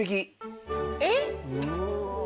えっ！？